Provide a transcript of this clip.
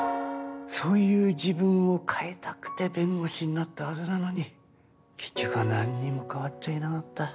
そういう自分を変えたくて弁護士になったはずなのに結局は何にも変わっちゃいなかった。